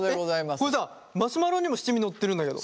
えっこれさマシュマロにも七味のってるんだけど。